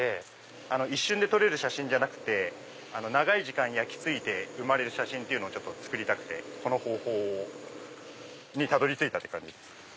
一瞬で撮れる写真じゃなくて長い時間焼きついて生まれる写真をつくりたくてこの方法にたどり着いたって感じです。